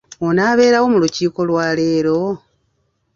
Onaabeerawo mu lukiiko lwa leero?